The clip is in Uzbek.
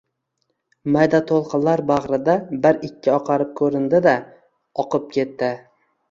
Mayda toʼlqinlar bagʼrida bir-ikki oqarib koʼrindi-da… Oqib ketdi!